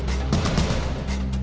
dia ada permisi dia